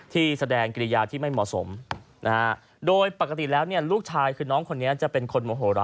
แสดงกิริยาที่ไม่เหมาะสมนะฮะโดยปกติแล้วเนี่ยลูกชายคือน้องคนนี้จะเป็นคนโมโหระ